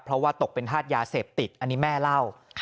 เพราะว่าตกเป็นธาตุยาเสพติดอันนี้แม่เล่า